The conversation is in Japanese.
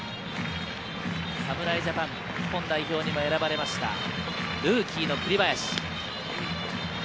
侍ジャパン日本代表にも選ばれました、ルーキーの栗林。